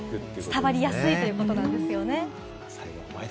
伝わりやすいということですね。